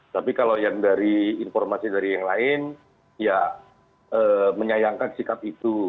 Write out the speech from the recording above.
tapi kalau yang dari informasi dari yang lain ya menyayangkan sikap itu